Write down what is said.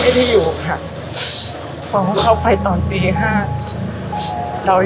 ไม่ได้อยู่ค่ะเพราะว่าเขาไปตอนตีห้าเรา